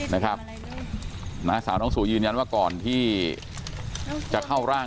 น้าสาวน้องสูยืนยันว่าก่อนที่จะเข้าร่าง